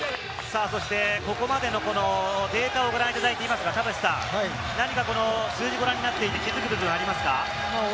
ここまでのデータをご覧いただいています、田臥さん、何か数字、ご覧になって気付く部分ありますか？